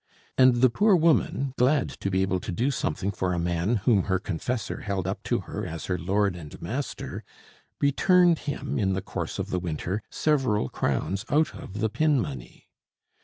and the poor woman, glad to be able to do something for a man whom her confessor held up to her as her lord and master, returned him in the course of the winter several crowns out of the "pin money."